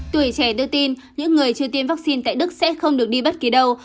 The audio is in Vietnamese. tuổi trẻ đưa tin những người chưa tiêm vaccine tại đức sẽ không được đi bất kỳ đâu